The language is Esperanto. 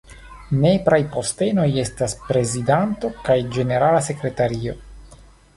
Nepraj postenoj estas prezidanto kaj ĝenerala sekretario.